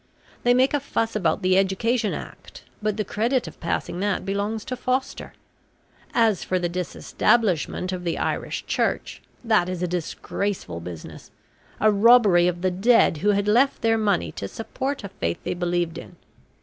They make a fuss about the Education Act, but the credit of passing that belongs to Foster. As for the Disestablishment of the Irish Church, that is a disgraceful business a robbery of the dead who had left their money to support a faith they believed in.